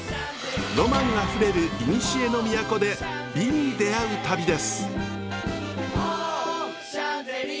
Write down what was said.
ロマンあふれる古の都で美に出会う旅です。